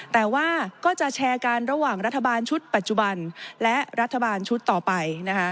แต่ว่าก็จะแชร์กันระหว่างรัฐบาลชุดปัจจุบันและรัฐบาลชุดต่อไปนะคะ